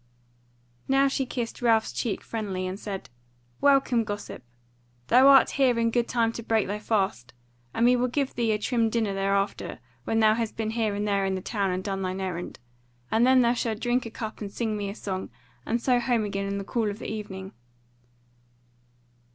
Now she kissed Ralph's cheek friendly, and said: "Welcome, gossip! thou art here in good time to break thy fast; and we will give thee a trim dinner thereafter, when thou hast been here and there in the town and done thine errand; and then shalt thou drink a cup and sing me a song, and so home again in the cool of the evening."